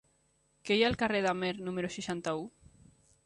Què hi ha al carrer d'Amer número seixanta-u?